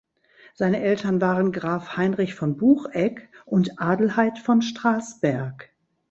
Seine Eltern waren Graf Heinrich von Buchegg und Adelheid von Strassberg.